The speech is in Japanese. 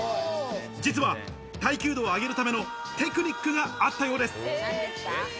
実は、耐久度を上げるためのテクニックがあったようです。